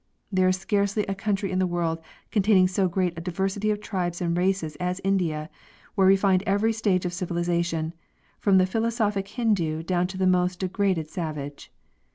There is scarcely a country in the world containing so great a diversity of tribes and races as India, where we find every stage of civilization, from the philosophic Hindu down to the most degraded savage.